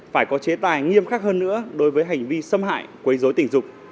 phải có chế tài nghiêm khắc hơn nữa đối với hành vi xâm hại quấy dối tình dục